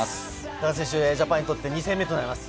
ジャパンにとって２戦目となります。